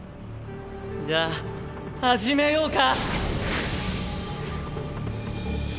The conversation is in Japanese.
じゃあ始めようか！